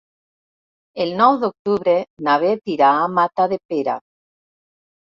El nou d'octubre na Beth irà a Matadepera.